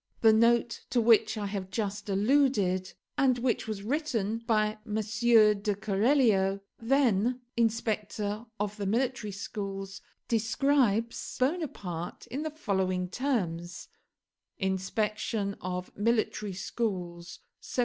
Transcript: The note to which I have just alluded, and which was written by M. de Keralio, then inspector of the military schools, describes Bonaparte in the following terms: INSPECTION OF MILITARY SCHOOLS 1784.